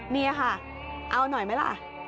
นี่ค่ะเอาหน่อยไหมล่ะ